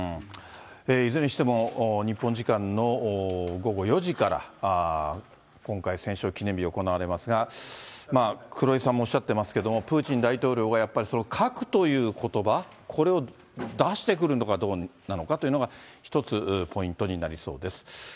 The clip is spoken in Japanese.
いずれにしても、日本時間の午後４時から、今回、戦勝記念日行われますが、黒井さんもおっしゃってますけれども、プーチン大統領がやっぱり核ということば、これを出してくるのかどうなのかっていうのが、一つ、ポイントになりそうです。